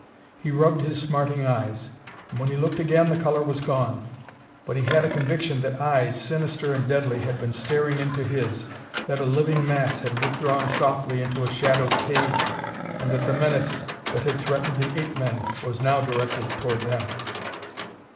He rubbed his smarting eyes and when he looked again the color was gone. But he had a conviction that eyes, sinister and deadly, had been staring into his, that a living mass had withdrawn softly into a shadowed cave, and that the menace that had threatened the ape men was directed now toward them.